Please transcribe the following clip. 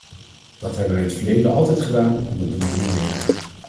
Dat hebben we in het verleden altijd gedaan en dat doen we nu weer.